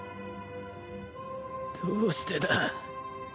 どうしてだ